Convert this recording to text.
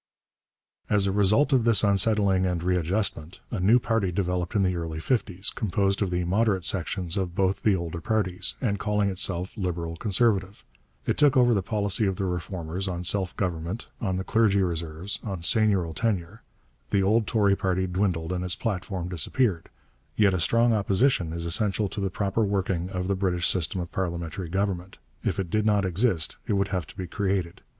As a result of this unsettling and readjustment, a new party developed in the early fifties, composed of the moderate sections of both the older parties, and calling itself Liberal Conservative. It took over the policy of the Reformers, on self government, on the clergy reserves, on seigneurial tenure. The old Tory party dwindled and its platform disappeared. Yet a strong Opposition is essential to the proper working of the British system of parliamentary government; if it did not exist, it would have to be created.